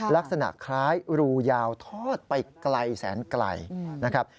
ลักษณะคล้ายรูยาวทอดไปไกลแสนไกลนะครับ